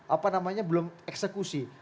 apa namanya belum eksekusi